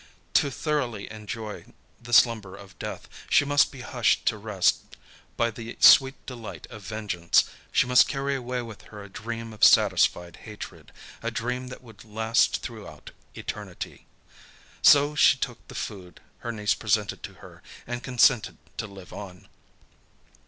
To thoroughly enjoy the slumber of death, she must be hushed to rest by the sweet delight of vengeance, she must carry away with her a dream of satisfied hatred, a dream that would last throughout eternity. So she took the food her niece presented to her, and consented to live on.